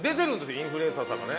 インフルエンサーさんがね。